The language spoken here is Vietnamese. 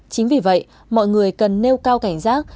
chính vì vậy mọi người cần nêu cao cảnh giác